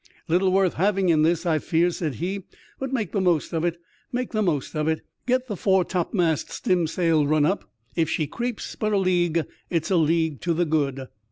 Little worth having in this, I fear," said he. " But make the most of it — make the most of it. Get the foretopmast stimsail run up. If she creeps but a league, it is a league to the good.'